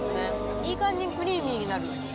いい感じにクリーミーな。